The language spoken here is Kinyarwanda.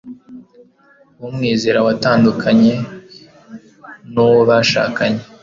umwizera watandukanye n'uwo bashakanye